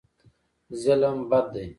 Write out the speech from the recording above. ظلم بد دی.